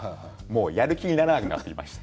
背面パスとかやる気にならなくなってきました